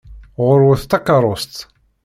Ɣur-wet takeṛṛust!